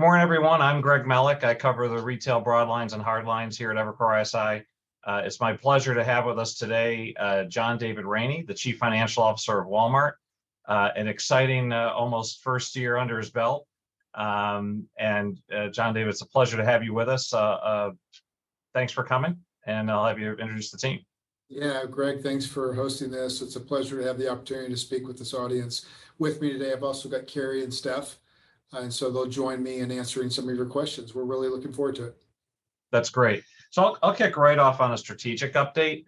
Good morning everyone, I'm Greg Melich. I cover the retail broadlines and hardlines here at Evercore ISI. It's my pleasure to have with us today, John David Rainey, the Chief Financial Officer of Walmart. An exciting, almost first year under his belt. And, John David, it's a pleasure to have you with us. Thanks for coming, and I'll have you introduce the team. Greg, thanks for hosting this. It's a pleasure to have the opportunity to speak with this audience. With me today, I've also got Kary and Steph, and so they'll join me in answering some of your questions. We're really looking forward to it. That's great. I'll kick right off on a strategic update.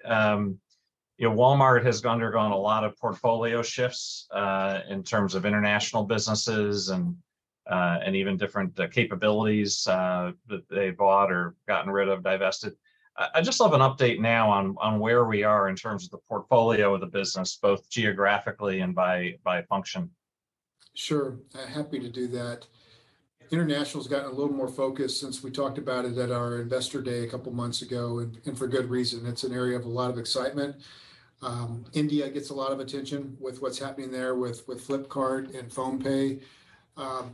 You know, Walmart has undergone a lot of portfolio shifts in terms of international businesses and even different capabilities that they bought or gotten rid of, divested. I'd just love an update now on where we are in terms of the portfolio of the business, both geographically and by function. Sure, happy to do that. International's gotten a little more focused since we talked about it at our investor day a couple months ago, and for good reason. It's an area of a lot of excitement. India gets a lot of attention with what's happening there, with Flipkart and PhonePe.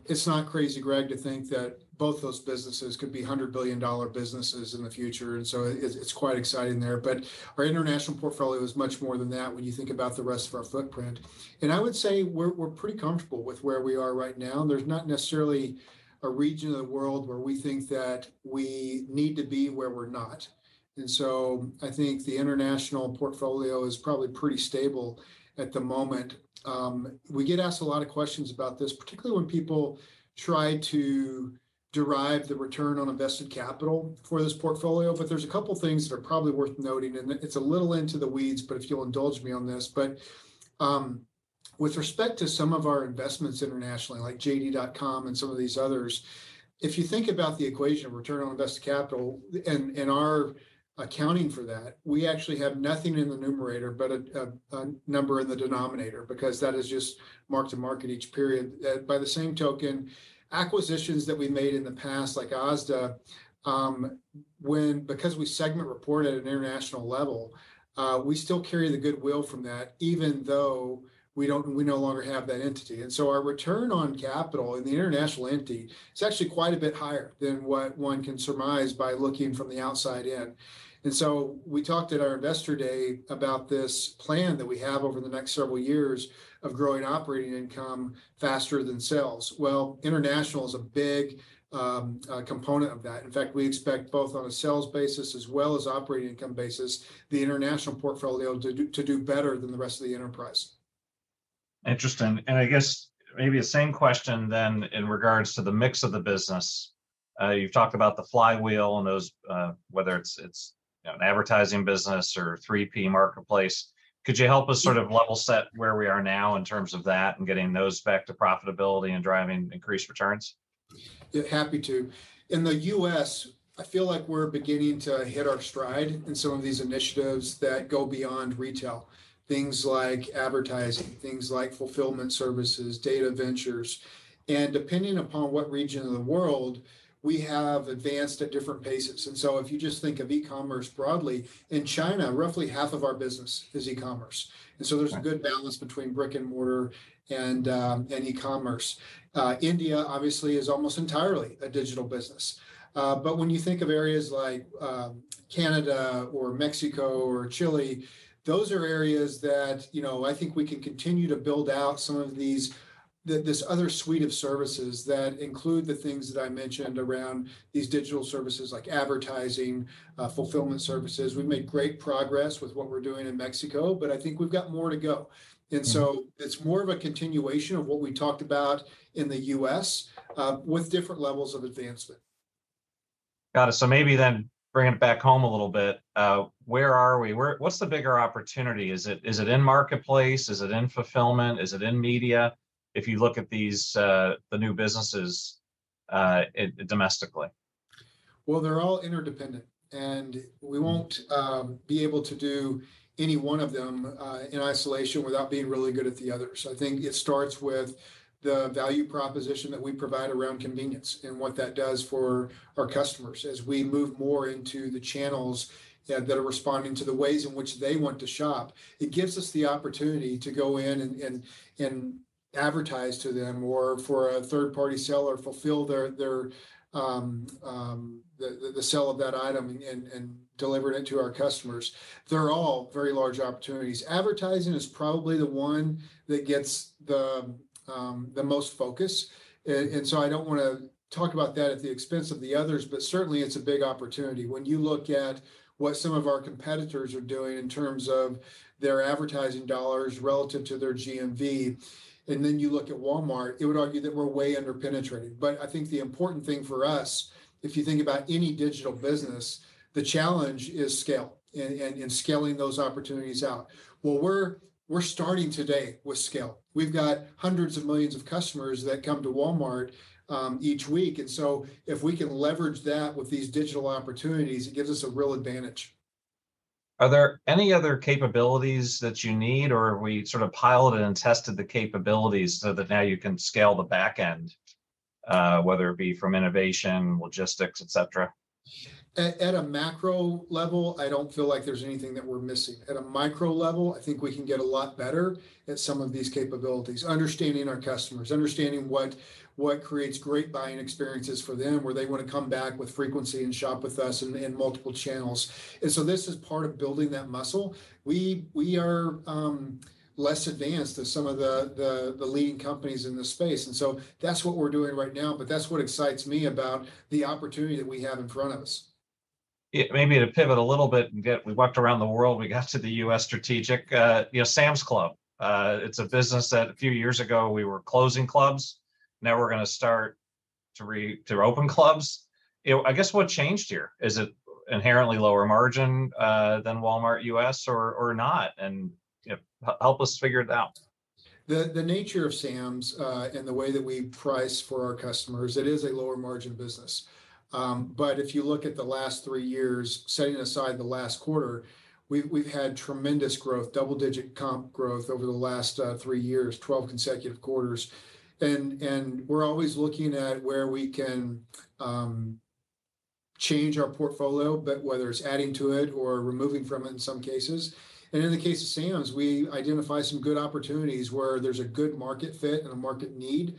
It's not crazy, Greg, to think that both those businesses could be $100 billion businesses in the future, so it's quite exciting there. Our international portfolio is much more than that when you think about the rest of our footprint. I would say we're pretty comfortable with where we are right now, and there's not necessarily a region of the world where we think that we need to be where we're not. I think the international portfolio is probably pretty stable at the moment. We get asked a lot of questions about this, particularly when people try to derive the return on invested capital for this portfolio. There's a couple things that are probably worth noting, and it's a little into the weeds, but if you'll indulge me on this. With respect to some of our investments internationally, like JD.com, and some of these others, if you think about the equation, return on invested capital and our accounting for that, we actually have nothing in the numerator but a number in the denominator, because that is just mark to market each period. By the same token, acquisitions that we made in the past, like Asda, because we segment report at an international level, we still carry the goodwill from that, even though we no longer have that entity. Our return on capital in the international entity is actually quite a bit higher than what one can surmise by looking from the outside in. We talked at our investor day about this plan that we have over the next several years of growing operating income faster than sales. International is a big component of that. In fact, we expect both on a sales basis as well as operating income basis, the international portfolio to do better than the rest of the enterprise. Interesting. I guess maybe the same question then, in regards to the mix of the business. You've talked about the flywheel and those, whether it's, you know, an advertising business or 3P marketplace. Could you help us sort of level set where we are now in terms of that and getting those back to profitability and driving increased returns? Yeah, happy to. In the U.S., I feel like we're beginning to hit our stride in some of these initiatives that go beyond retail. Things like advertising, things like fulfillment services, Data Ventures, depending upon what region of the world, we have advanced at different paces. If you just think of e-commerce broadly, in China, roughly half of our business is e-commerce. Right. There's a good balance between brick-and-mortar and e-commerce. India obviously is almost entirely a digital business. When you think of areas like Canada or Mexico or Chile, those are areas that, you know, I think we can continue to build out this other suite of services that include the things that I mentioned around these digital services, like advertising, fulfillment services. We've made great progress with what we're doing in Mexico, but I think we've got more to go. It's more of a continuation of what we talked about in the U.S., with different levels of advancement. Got it. Maybe then bringing it back home a little bit, where are we? What's the bigger opportunity? Is it in marketplace? Is it in fulfillment? Is it in media? If you look at these, the new businesses, domestically. Well, they're all interdependent, and we won't.... be able to do any one of them in isolation without being really good at the others. I think it starts with the value proposition that we provide around convenience and what that does for our customers. As we move more into the channels that are responding to the ways in which they want to shop, it gives us the opportunity to go in and advertise to them, or for a third-party seller, fulfill their the sell of that item and deliver it to our customers. They're all very large opportunities. Advertising is probably the one that gets the most focus. I don't want to talk about that at the expense of the others, but certainly it's a big opportunity. When you look at what some of our competitors are doing in terms of their advertising dollars relative to their GMV, and then you look at Walmart, it would argue that we're way under-penetrated. I think the important thing for us, if you think about any digital business, the challenge is scale and scaling those opportunities out. Well, we're starting today with scale. We've got hundreds of millions of customers that come to Walmart each week. If we can leverage that with these digital opportunities, it gives us a real advantage. Are there any other capabilities that you need, or have we sort of piloted and tested the capabilities so that now you can scale the back end, whether it be from innovation, logistics, et cetera? At a macro level, I don't feel like there's anything that we're missing. At a micro level, I think we can get a lot better at some of these capabilities. Understanding our customers, understanding what creates great buying experiences for them, where they wanna come back with frequency and shop with us in multiple channels. This is part of building that muscle. We are less advanced than some of the leading companies in this space, and so that's what we're doing right now, but that's what excites me about the opportunity that we have in front of us. Maybe to pivot a little bit and we walked around the world, we got to the U.S. strategic. You know, Sam's Club, it's a business that a few years ago we were closing clubs, now we're gonna start to open clubs. You know, I guess what changed here? Is it inherently lower margin than Walmart U.S. or not? You know, help us figure it out. The nature of Sam's, and the way that we price for our customers, it is a lower margin business. If you look at the last three years, setting aside the last quarter, we've had tremendous growth, double-digit comp growth over the last three years, 12 consecutive quarters. We're always looking at where we can change our portfolio, whether it's adding to it or removing from it in some cases. In the case of Sam's, we identify some good opportunities where there's a good market fit and a market need,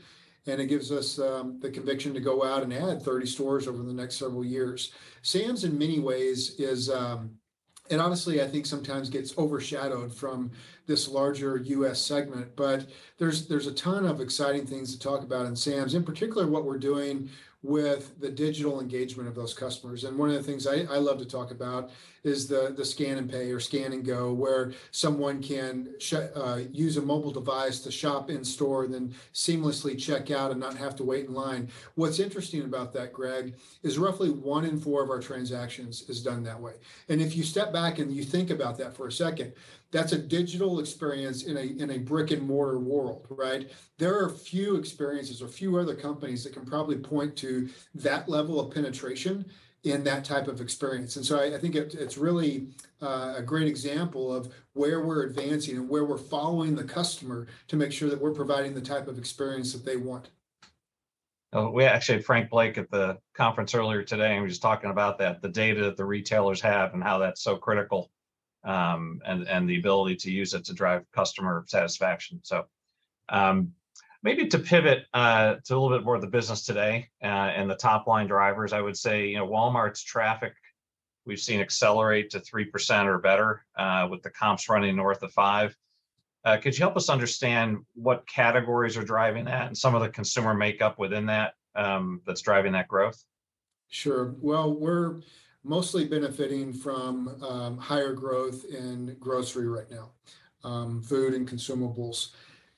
and it gives us the conviction to go out and add 30 stores over the next several years. Sam's, in many ways, is. Honestly, I think sometimes gets overshadowed from this larger U.S. segment, but there's a ton of exciting things to talk about in Sam's. In particular, what we're doing with the digital engagement of those customers. One of the things I love to talk about is the scan and pay, or Scan & Go, where someone can use a mobile device to shop in store and then seamlessly check out and not have to wait in line. What's interesting about that, Greg, is roughly 1 in 4 of our transactions is done that way. If you step back and you think about that for a second, that's a digital experience in a brick-and-mortar world, right? There are few experiences or few other companies that can probably point to that level of penetration in that type of experience. I think it's really a great example of where we're advancing and where we're following the customer to make sure that we're providing the type of experience that they want. we actually had Frank Blake at the conference earlier today, and we were just talking about that, the data that the retailers have and how that's so critical, and the ability to use it to drive customer satisfaction. Maybe to pivot, to a little bit more of the business today, and the top-line drivers, I would say, you know, Walmart's traffic, we've seen accelerate to 3% or better, with the comps running north of five. Could you help us understand what categories are driving that and some of the consumer makeup within that's driving that growth? Sure. Well, we're mostly benefiting from higher growth in grocery right now, food and consumables.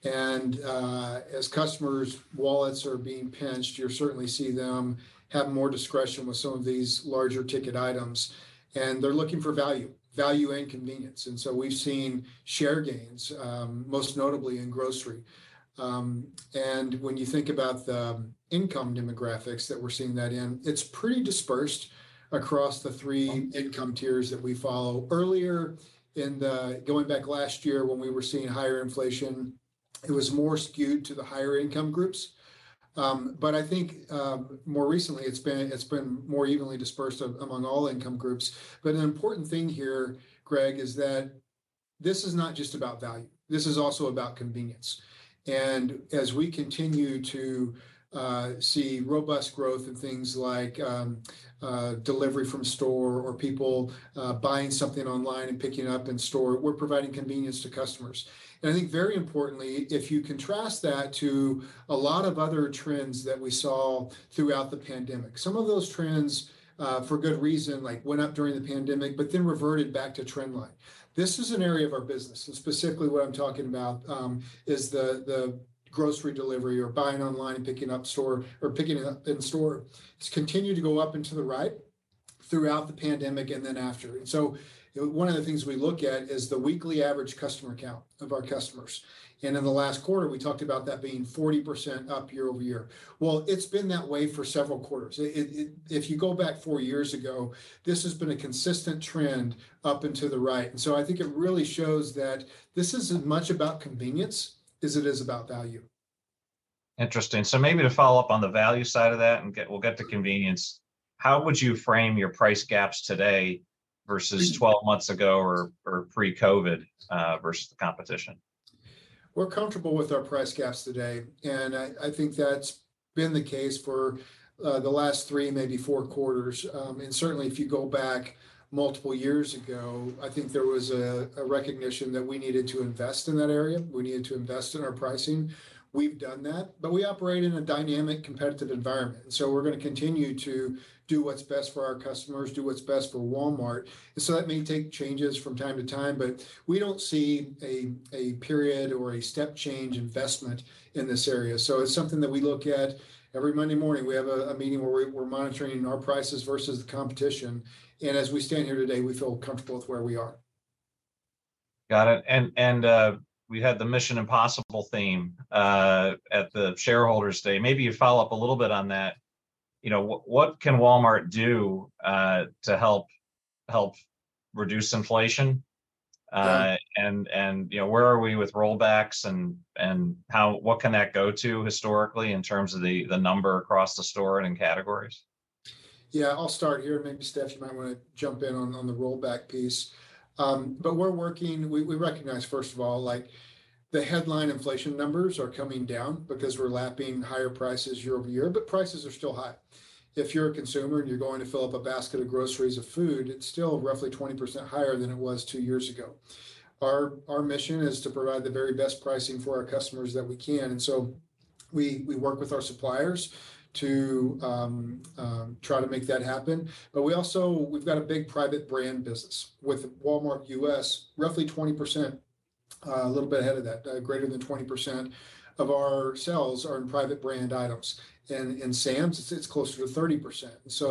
As customers' wallets are being pinched, you're certainly see them have more discretion with some of these larger ticket items, and they're looking for value. Value and convenience. We've seen share gains, most notably in grocery. When you think about the income demographics that we're seeing that in, it's pretty dispersed acros income tiers that we follow. Earlier in the, going back last year when we were seeing higher inflation, it was more skewed to the higher income groups. I think more recently it's been more evenly dispersed among all income groups. An important thing here, Greg, is that this is not just about value, this is also about convenience. As we continue to see robust growth in things like delivery from store or people buying something online and picking up in store, we're providing convenience to customers. I think very importantly, if you contrast that to a lot of other trends that we saw throughout the pandemic, some of those trends, for good reason, like, went up during the pandemic, but then reverted back to trend line. This is an area of our business, and specifically what I'm talking about, is the grocery delivery or buying online, picking up in store, has continued to go up and to the right throughout the pandemic and after. One of the things we look at is the weekly average customer count of our customers, and in the last quarter, we talked about that being 40% up year-over-year. Well, it's been that way for several quarters. It, if you go back four years ago, this has been a consistent trend up and to the right, and so I think it really shows that this is as much about convenience as it is about value. Interesting. Maybe to follow up on the value side of that, and we'll get to convenience, how would you frame your price gaps today versus-?... 12 months ago, or pre-COVID, versus the competition? We're comfortable with our price gaps today, and I think that's been the case for the last 3, maybe 4 quarters. certainly if you go back multiple years ago, I think there was a recognition that we needed to invest in that area. We needed to invest in our pricing. We've done that, but we operate in a dynamic, competitive environment, we're gonna continue to do what's best for our customers, do what's best for Walmart. That may take changes from time to time, but we don't see a period or a step-change investment in this area. It's something that we look at. Every Monday morning, we have a meeting where we're monitoring our prices versus the competition, and as we stand here today, we feel comfortable with where we are. Got it. We had the Mission: Impossible theme at the Shareholders' Day. Maybe you follow up a little bit on that. You know, what can Walmart do to help reduce inflation? You know, where are we with rollbacks and how, what can that go to historically in terms of the number across the store and in categories? I'll start here, and maybe Steph, you might want to jump in on the rollback piece. We recognize, first of all, like the headline inflation numbers are coming down because we're lapping higher prices year over year, but prices are still high. If you're a consumer and you're going to fill up a basket of groceries of food, it's still roughly 20% higher than it was two years ago. Our mission is to provide the very best pricing for our customers that we can. We work with our suppliers to try to make that happen. We also, we've got a big private brand business. With Walmart U.S., roughly 20%, a little bit ahead of that, greater than 20% of our sales are in private brand items, and in Sam's, it's closer to 30%.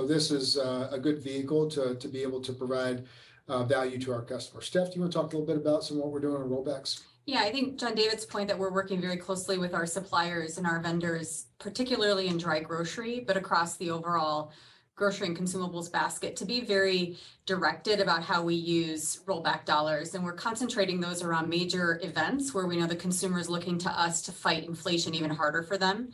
This is a good vehicle to be able to provide value to our customers. Steph, do you want to talk a little bit about some of what we're doing on rollbacks? Yeah. I think John David's point that we're working very closely with our suppliers and our vendors, particularly in dry grocery, but across the overall grocery and consumables basket, to be very directed about how we use rollback dollars. We're concentrating those around major events where we know the consumer is looking to us to fight inflation even harder for them.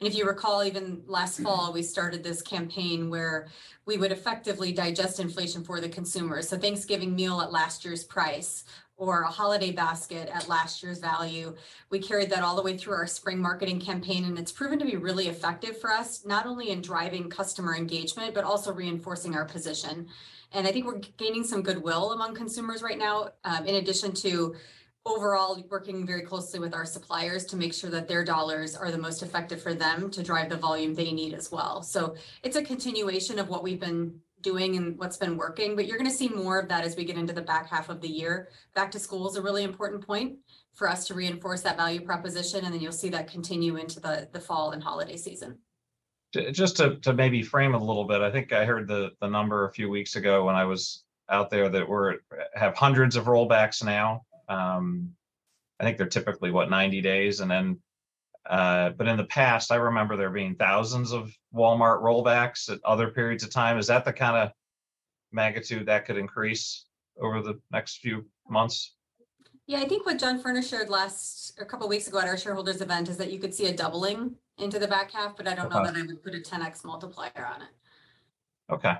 If you recall, even last fall, we started this campaign where we would effectively digest inflation for the consumer. Thanksgiving meal at last year's price, or a holiday basket at last year's value. We carried that all the way through our spring marketing campaign, and it's proven to be really effective for us, not only in driving customer engagement, but also reinforcing our position. I think we're gaining some goodwill among consumers right now, in addition to overall working very closely with our suppliers to make sure that their dollars are the most effective for them to drive the volume they need as well. It's a continuation of what we've been doing and what's been working, but you're going to see more of that as we get into the back half of the year. Back to school is a really important point for us to reinforce that value proposition, and then you'll see that continue into the fall and holiday season. Just to maybe frame it a little bit, I think I heard the number a few weeks ago when I was out there, that we have hundreds of rollbacks now. I think they're typically, what, 90 days, and then... In the past, I remember there being thousands of Walmart rollbacks at other periods of time. Is that the kind of magnitude that could increase over the next few months? Yeah, I think what John Furner shared last, a couple weeks ago at our shareholders' event, is that you could see a doubling into the back half- Okay... I don't know that I would put a 10x multiplier on it. Okay.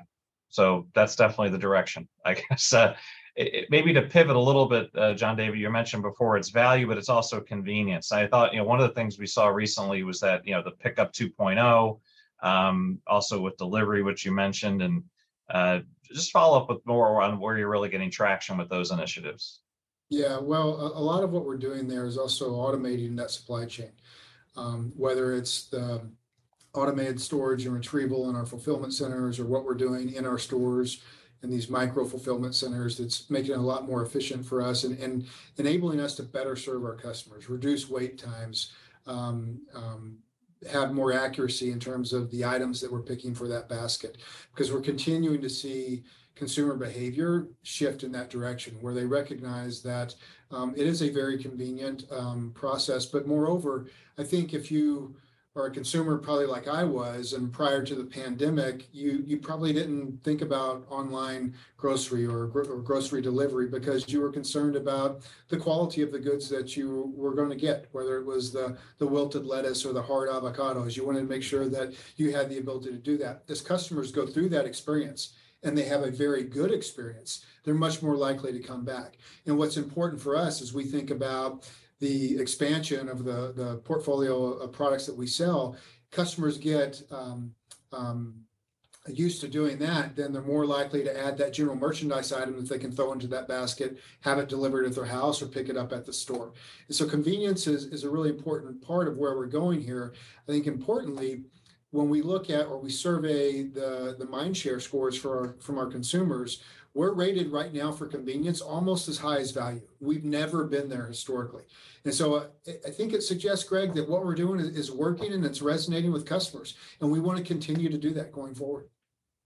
That's definitely the direction, I guess. Maybe to pivot a little bit, John David, you mentioned before, it's value, but it's also convenience. I thought, one of the things we saw recently was that, you know, the Pickup 2.0, also with delivery, which you mentioned, and just follow up with more on where you're really getting traction with those initiatives. Well, a lot of what we're doing there is also automating that supply chain. Whether it's the automated storage and retrieval in our Fulfillment Centers or what we're doing in our stores in these micro-fulfillment centers, it's making it a lot more efficient for us and enabling us to better serve our customers, reduce wait times, have more accuracy in terms of the items that we're picking for that basket. We're continuing to see consumer behavior shift in that direction, where they recognize that it is a very convenient process. Moreover, I think if you are a consumer, probably like I was and prior to the pandemic, you probably didn't think about online grocery or grocery delivery because you were concerned about the quality of the goods that you were going to get, whether it was the wilted lettuce or the hard avocados. You wanted to make sure that you had the ability to do that. As customers go through that experience, and they have a very good experience, they're much more likely to come back. What's important for us as we think about the expansion of the portfolio of products that we sell, customers get used to doing that, then they're more likely to add that general merchandise item that they can throw into that basket, have it delivered at their house, or pick it up at the store. Convenience is a really important part of where we're going here. I think importantly, when we look at or we survey the mind share scores from our consumers, we're rated right now for convenience almost as high as value. We've never been there historically. I think it suggests, Greg, that what we're doing is working and it's resonating with customers, and we want to continue to do that going forward.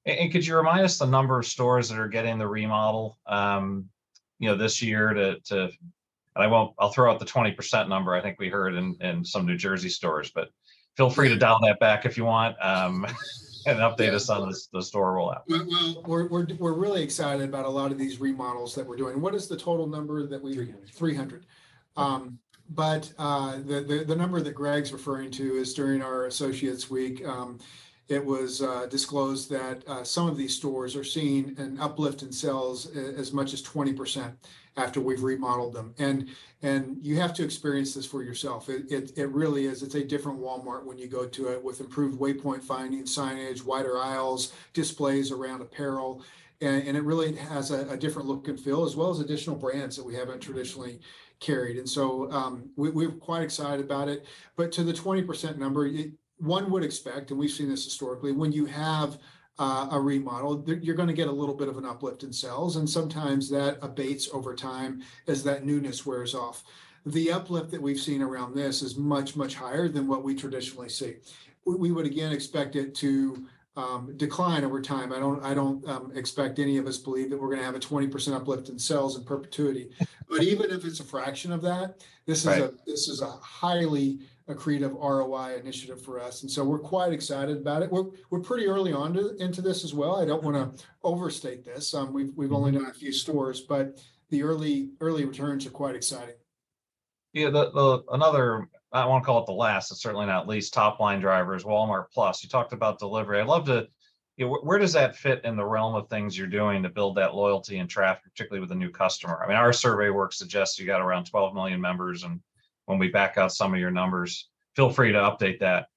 Could you remind us the number of stores that are getting the remodel, you know, this year and I won't, I'll throw out the 20% number I think we heard in some New Jersey stores, but feel free to dial that back if you want, and update us on the store rollout? Well, we're really excited about a lot of these remodels that we're doing. What is the total number? $300. 300. The number that Greg's referring to is during our Associates' Week, it was disclosed that some of these stores are seeing an uplift in sales as much as 20% after we've remodeled them. You have to experience this for yourself. It really is, it's a different Walmart when you go to it with improved waypoint finding signage, wider aisles, displays around apparel, and it really has a different look and feel, as well as additional brands that we haven't traditionally carried. We're quite excited about it. To the 20% number, one would expect, and we've seen this historically, when you have a remodel, that you're gonna get a little bit of an uplift in sales, and sometimes that abates over time as that newness wears off. The uplift that we've seen around this is much, much higher than what we traditionally see. We would again expect it to decline over time. I don't expect any of us believe that we're gonna have a 20% uplift in sales in perpetuity. Even if it's a fraction of that. Right this is a highly accretive ROI initiative for us. We're quite excited about it. We're pretty early on into this as well. Yeah. I don't want to overstate this. We've only done a few stores, but the early returns are quite exciting. Another, I won't call it the last, but certainly not least, top line driver is Walmart+. You talked about delivery. I'd love to, where does that fit in the realm of things you're doing to build that loyalty and traffic, particularly with a new customer? I mean, our survey work suggests you got around $12 million members, and when we back out some of your numbers, feel free to update that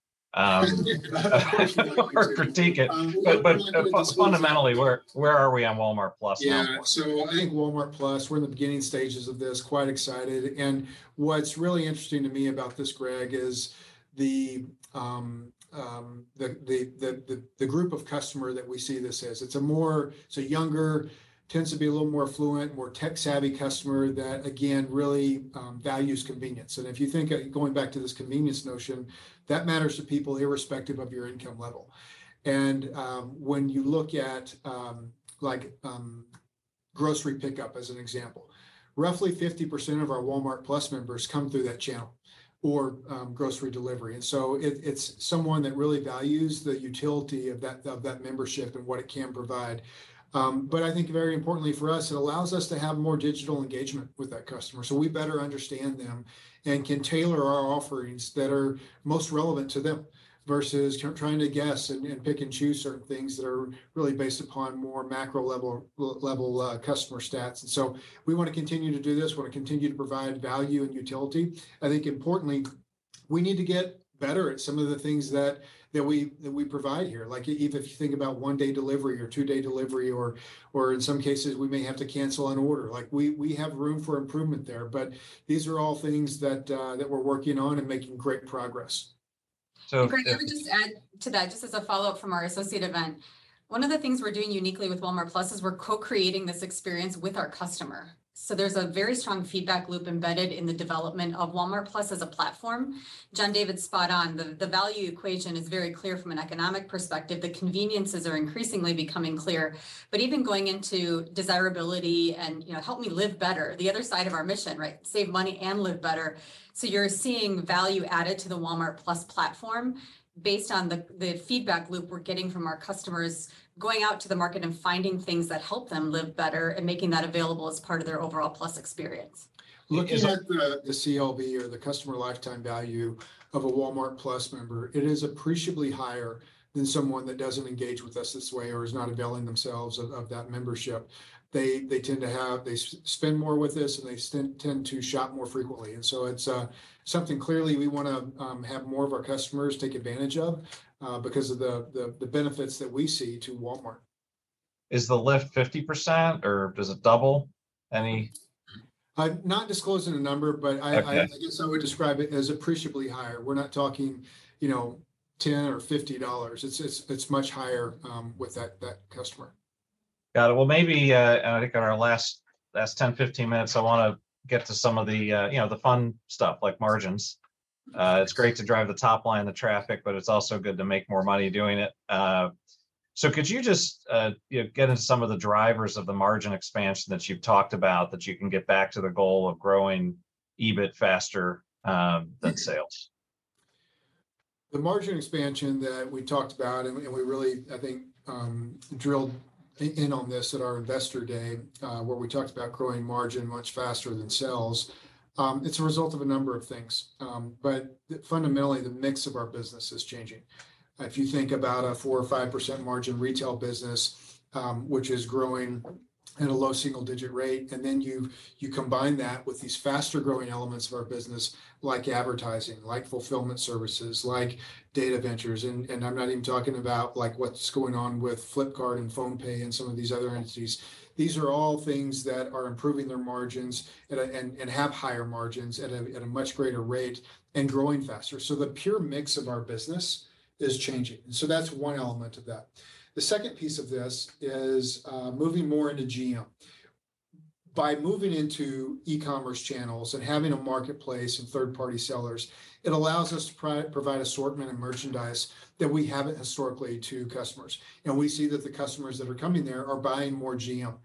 or critique it. Fundamentally, where are we on Walmart+ now? Yeah, so I think Walmart Plus, we're in the beginning stages of this, quite excited. And what's really interesting to me about this, Greg, is the, um, um, the, the, the, the, the group of customer that we see this as. It's a more... It's a younger, tends to be a little more affluent, more tech-savvy customer that, again, really, um, values convenience. And if you think, going back to this convenience notion, that matters to people irrespective of your income level. And, um, when you look at, um, like, um, grocery pickup as an example, roughly fifty percent of our Walmart Plus members come through that channel or, um, grocery delivery. And so it, it's someone that really values the utility of that, of that membership and what it can provide. I think very importantly for us, it allows us to have more digital engagement with that customer, so we better understand them and can tailor our offerings that are most relevant to them, versus trying to guess and pick and choose certain things that are really based upon more macro level customer stats. We want to continue to do this. We want to continue to provide value and utility. I think importantly, we need to get better at some of the things that we provide here. Like, even if you think about one-day delivery or two-day delivery or in some cases, we may have to cancel an order. Like, we have room for improvement there, but these are all things that we're working on and making great progress. So- Greg, let me just add to that, just as a follow-up from our associate event. One of the things we're doing uniquely with Walmart+ is we're co-creating this experience with our customer. There's a very strong feedback loop embedded in the development of Walmart+ as a platform. John David's spot on. The value equation is very clear from an economic perspective. The conveniences are increasingly becoming clear, but even going into desirability and, you know, help me live better, the other side of our mission, right? Save money and live better. You're seeing value added to the Walmart+ platform based on the feedback loop we're getting from our customers, going out to the market and finding things that help them live better and making that available as part of their overall Plus experience. Look, is that the CLV or the customer lifetime value of a Walmart+ member, it is appreciably higher than someone that doesn't engage with us this way or is not availing themselves of that membership. They spend more with us, and they tend to shop more frequently. It's something clearly we want to have more of our customers take advantage of because of the benefits that we see to Walmart. Is the lift 50% or does it double? I'm not disclosing a number, but. Okay I guess I would describe it as appreciably higher. We're not talking, you know, $10 or $50. It's much higher with that customer. Got it. Well, maybe, I think on our last 10, 15 minutes, I want to get to some of the, you know, the fun stuff like margins. Yeah. It's great to drive the top line, the traffic, but it's also good to make more money doing it. Could you just, you know, get into some of the drivers of the margin expansion that you've talked about, that you can get back to the goal of growing EBIT faster than sales? The margin expansion that we talked about, and we really, I think, drilled in on this at our investor day, where we talked about growing margin much faster than sales. It's a result of a number of things, but fundamentally, the mix of our business is changing. If you think about a 4% or 5% margin retail business, which is growing at a low single-digit rate, and then you combine that with these faster-growing elements of our business, like advertising, like fulfillment services, like Data Ventures, and I'm not even talking about like what's going on with Flipkart and PhonePe and some of these other entities. These are all things that are improving their margins and have higher margins at a much greater rate and growing faster. The pure mix of our business is changing. That's one element of that. The second piece of this is moving more into GM. By moving into e-commerce channels and having a marketplace and third-party sellers, it allows us to provide assortment and merchandise that we haven't historically to customers. We see that the customers that are coming there are buying more GM.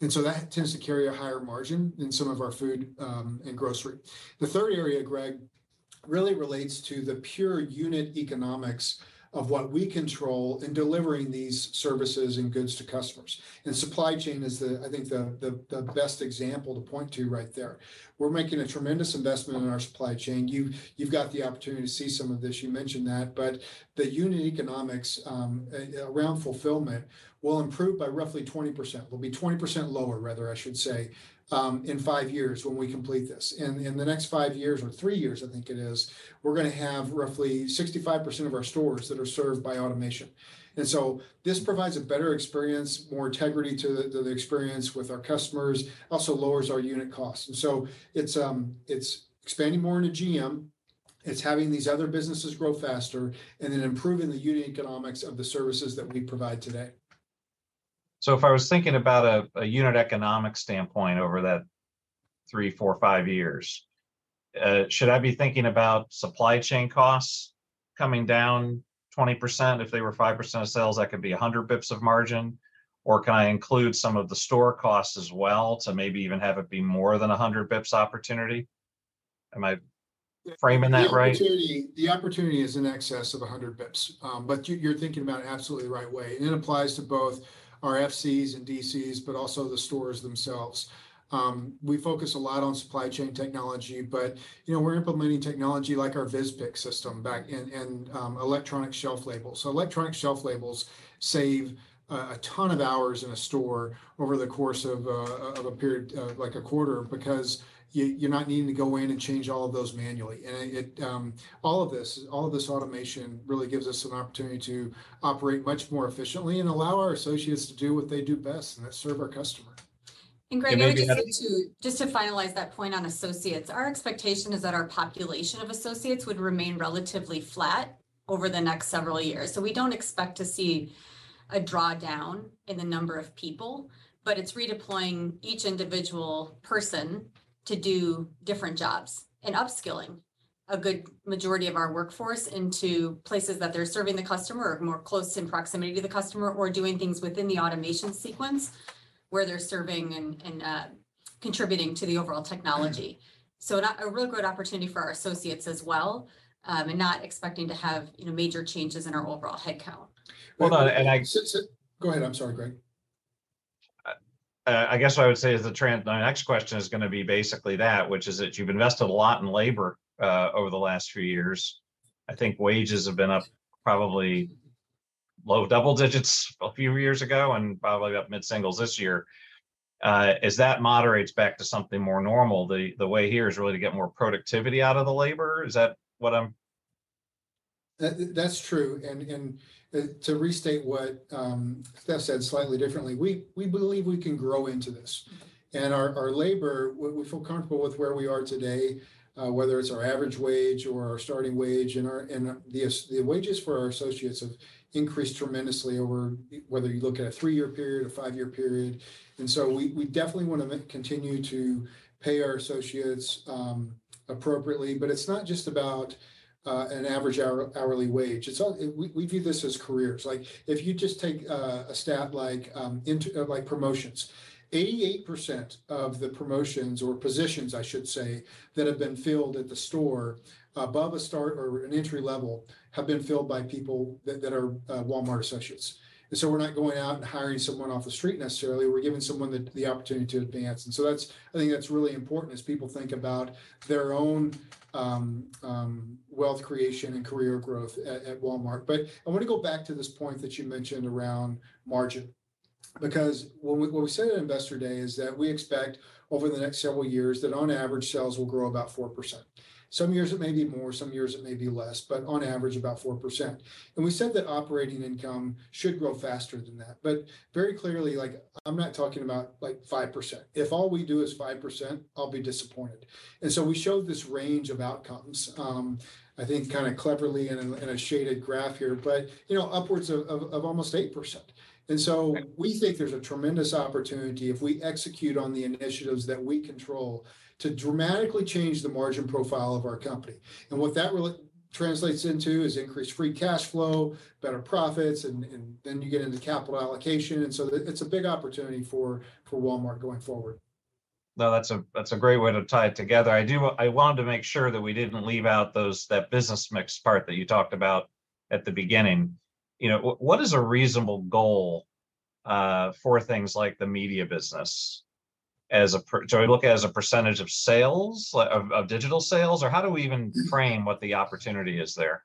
That tends to carry a higher margin than some of our food and grocery. The third area, Greg, really relates to the pure unit economics of what we control in delivering these services and goods to customers. Supply chain is the, I think, the best example to point to right there. We're making a tremendous investment in our supply chain. You've got the opportunity to see some of this. You mentioned that, but the unit economics around fulfillment will improve by roughly 20%. Will be 20% lower, rather, I should say, in 5 years when we complete this. In the next 5 years or 3 years, I think it is, we're going to have roughly 65% of our stores that are served by automation. This provides a better experience, more integrity to the, to the experience with our customers. Also lowers our unit costs. It's expanding more into GM. It's having these other businesses grow faster and then improving the unit economics of the services that we provide today. If I was thinking about a unit economic standpoint over that 3, 4, 5 years, should I be thinking about supply chain costs coming down 20%? If they were 5% of sales, that could be 100 basis points of margin. Or can I include some of the store costs as well to maybe even have it be more than 100 basis points opportunity? Am I framing that right? The opportunity is in excess of 100 basis points. You're thinking about it absolutely the right way, and it applies to both our FCs and DCs, but also the stores themselves. We focus a lot on supply chain technology, but, you know, we're implementing technology like our VizPick system back, and electronic shelf labels. Electronic shelf labels save a ton of hours in a store over the course of a period like a quarter, because you're not needing to go in and change all of those manually. It, all of this automation really gives us an opportunity to operate much more efficiently and allow our associates to do what they do best, and that's serve our customer. Greg, maybe I. Just to finalize that point on associates, our expectation is that our population of associates would remain relatively flat over the next several years. We don't expect to see a drawdown in the number of people, but it's redeploying each individual person to do different jobs, and upskilling a good majority of our workforce into places that they're serving the customer, or more close in proximity to the customer, or doing things within the automation sequence, where they're serving and contributing to the overall technology. A really great opportunity for our associates as well, and not expecting to have, you know, major changes in our overall headcount. Well, and I- Go ahead. I'm sorry, Greg. I guess what I would say is the trend, the next question is gonna be basically that, which is that you've invested a lot in labor, over the last few years. I think wages have been up probably low double digits a few years ago, and probably up mid-singles this year. As that moderates back to something more normal, the way here is really to get more productivity out of the labor? Is that what I'm? That's true, and to restate what Steph said slightly differently, we believe we can grow into this. Our labor, we feel comfortable with where we are today, whether it's our average wage or our starting wage, and the wages for our associates have increased tremendously over whether you look at a three-year period, a five-year period. We definitely want to continue to pay our associates appropriately, but it's not just about an average hourly wage. We view this as careers. If you just take a stat like promotions, 88% of the promotions or positions, I should say, that have been filled at the store above a start or an entry level, have been filled by people that are Walmart associates. We're not going out and hiring someone off the street necessarily, we're giving someone the opportunity to advance. That's, I think that's really important as people think about their own wealth creation and career growth at Walmart. I want to go back to this point that you mentioned around margin, because what we said at Investor Day is that we expect over the next several years that on average, sales will grow about 4%. Some years it may be more, some years it may be less, but on average about 4%. We said that operating income should grow faster than that. Very clearly, like, I'm not talking about, like, 5%. If all we do is 5%, I'll be disappointed. We showed this range of outcomes, I think kind of cleverly in a, in a shaded graph here, but, you know, upwards of almost 8%. Right... we think there's a tremendous opportunity if we execute on the initiatives that we control, to dramatically change the margin profile of our company. What that really translates into is increased free cash flow, better profits, and then you get into capital allocation. It's a big opportunity for Walmart going forward. No, that's a, that's a great way to tie it together. I do, I wanted to make sure that we didn't leave out those, that business mix part that you talked about at the beginning. You know, what is a reasonable goal for things like the media business? Do I look at as a % of sales, like, of digital sales, or how do we even-... frame what the opportunity is there?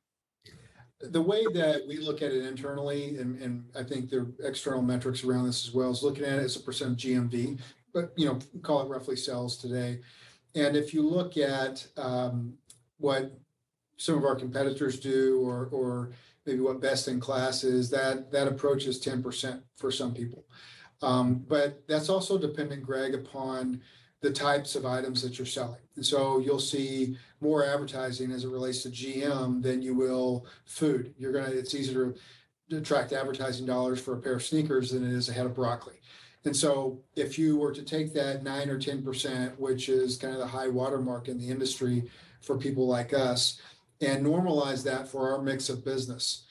The way that we look at it internally, and I think the external metrics around this as well, is looking at it as a percent of GMV, but, you know, call it roughly sales today. If you look at what some of our competitors do or maybe what best in class is, that approach is 10% for some people. That's also dependent, Greg, upon the types of items that you're selling. So you'll see more advertising as it relates to GM than you will food. You're gonna. It's easier to attract advertising dollars for a pair of sneakers than it is a head of broccoli. If you were to take that 9% or 10%, which is kind of the high watermark in the industry for people like us, and normalize that for our mix of business,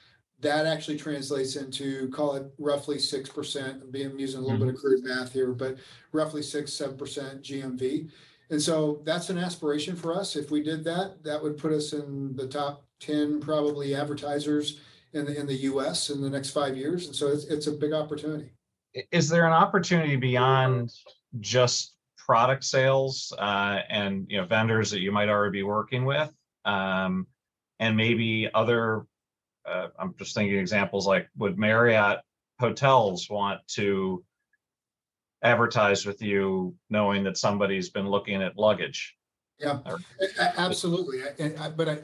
that actually translates into, call it roughly 6%, using-... a little bit of crude math here, but roughly 6-7% GMV. That's an aspiration for us. If we did that would put us in the top 10 probably advertisers in the U.S. in the next five years, it's a big opportunity. Is there an opportunity beyond just product sales, and, you know, vendors that you might already be working with? Maybe other, I'm just thinking examples like, would Marriott Hotels want to advertise with you knowing that somebody's been looking at luggage? Yeah. Absolutely. I, and I, but I,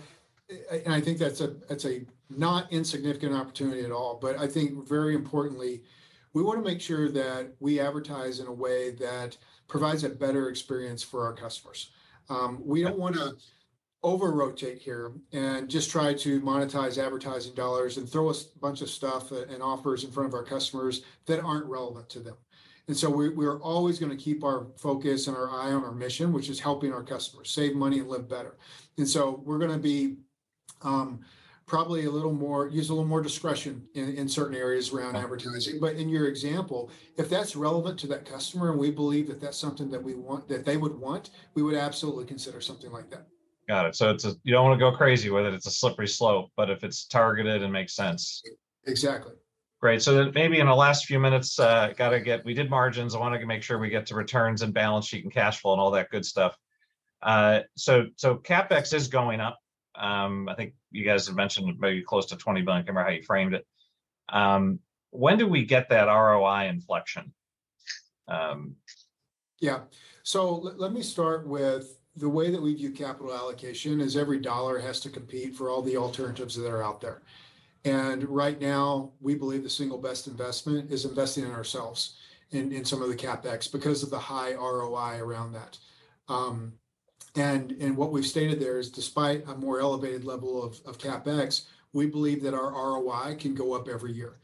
and I think that's a, that's a not insignificant opportunity at all, but I think very importantly, we want to make sure that we advertise in a way that provides a better experience for our customers. We don't want to over-rotate here and just try to monetize advertising dollars and throw a bunch of stuff and offers in front of our customers that aren't relevant to them. We are always going to keep our focus and our eye on our mission, which is helping our customers save money and live better. We're gonna be probably a little more, use a little more discretion in certain areas around advertising. In your example, if that's relevant to that customer, and we believe that that's something that we want, that they would want, we would absolutely consider something like that. Got it. You don't wanna go crazy with it. It's a slippery slope, if it's targeted and makes sense. Exactly. Great, maybe in the last few minutes, we did margins. I wanna make sure we get to returns and balance sheet and cash flow and all that good stuff. CapEx is going up. I think you guys have mentioned maybe close to $20 billion, I can't remember how you framed it. When do we get that ROI inflection? Let me start with, the way that we view capital allocation is every dollar has to compete for all the alternatives that are out there. Right now, we believe the single best investment is investing in ourselves in some of the CapEx, because of the high ROI around that. What we've stated there is, despite a more elevated level of CapEx, we believe that our ROI can go up every year.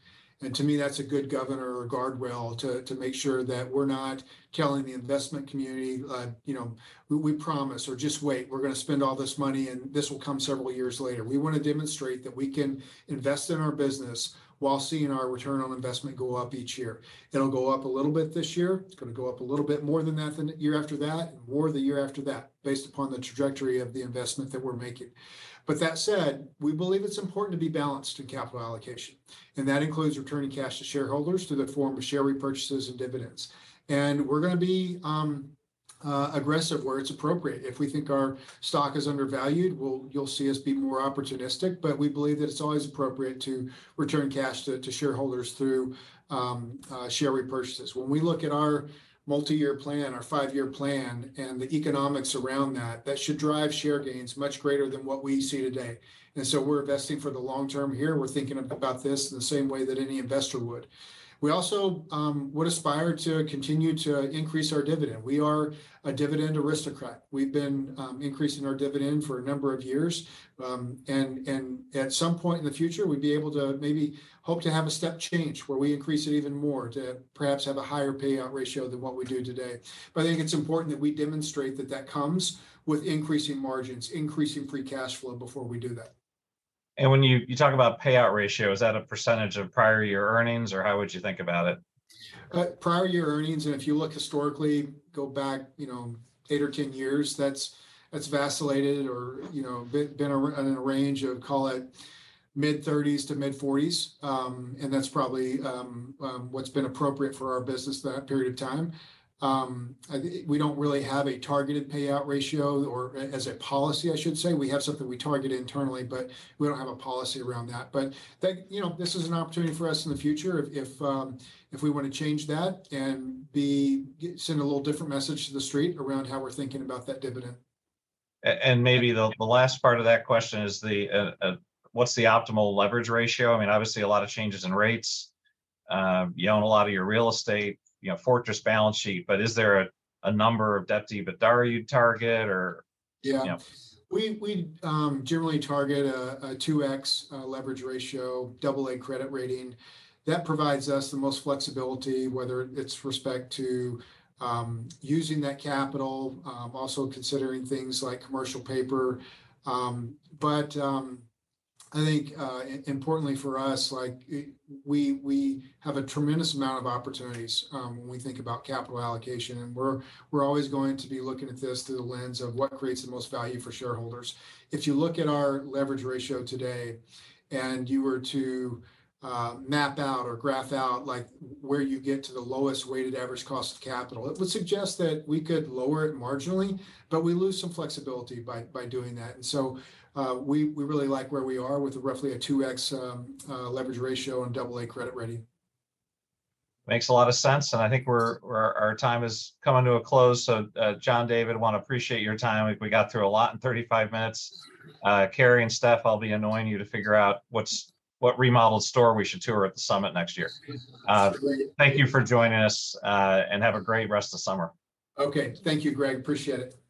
To me, that's a good governor or guardrail to make sure that we're not telling the investment community, you know, "We promise," or, "Just wait, we're gonna spend all this money, and this will come several years later." We wanna demonstrate that we can invest in our business while seeing our return on investment go up each year. It'll go up a little bit this year. It's gonna go up a little bit more than that the year after that, and more the year after that, based upon the trajectory of the investment that we're making. That said, we believe it's important to be balanced in capital allocation, and that includes returning cash to shareholders through the form of share repurchases and dividends. We're gonna be aggressive where it's appropriate. If we think our stock is undervalued, you'll see us be more opportunistic, but we believe that it's always appropriate to return cash to shareholders through share repurchases. When we look at our multi-year plan, our 5-year plan, and the economics around that should drive share gains much greater than what we see today. We're investing for the long term here. We're thinking about this in the same way that any investor would. We also would aspire to continue to increase our dividend. We are a Dividend Aristocrat. We've been increasing our dividend for a number of years. At some point in the future, we'd be able to maybe hope to have a step change, where we increase it even more to perhaps have a higher payout ratio than what we do today. I think it's important that we demonstrate that that comes with increasing margins, increasing free cash flow before we do that. When you talk about payout ratio, is that a % of prior year earnings, or how would you think about it? Prior year earnings, if you look historically, go back, you know, 8 or 10 years, that's vacillated or, you know, been a, in a range of, call it mid-thirties to mid-forties. That's probably what's been appropriate for our business that period of time. I think we don't really have a targeted payout ratio or as a policy, I should say. We have something we target internally, but we don't have a policy around that. That, you know, this is an opportunity for us in the future if we want to change that send a little different message to the street around how we're thinking about that dividend. Maybe the last part of that question is the what's the optimal leverage ratio? I mean, obviously a lot of changes in rates. You own a lot of your real estate, you know, fortress balance sheet. Is there a number of debt to EBITDA you'd target or? Yeah. You know. We generally target a 2x leverage ratio, AA credit rating. That provides us the most flexibility, whether it's respect to using that capital, also considering things like commercial paper. Importantly for us, like, we have a tremendous amount of opportunities when we think about capital allocation. We're always going to be looking at this through the lens of what creates the most value for shareholders. If you look at our leverage ratio today, and you were to map out or graph out like where you get to the lowest weighted average cost of capital, it would suggest that we could lower it marginally, but we lose some flexibility by doing that. We really like where we are with roughly a 2x leverage ratio and AA credit rating. Makes a lot of sense, I think we're our time is coming to a close. John David, wanna appreciate your time. We got through a lot in 35 minutes. Kary and Steph, I'll be annoying you to figure out what remodeled store we should tour at the summit next year. Absolutely. Thank you for joining us, and have a great rest of summer. Okay. Thank you, Greg. Appreciate it.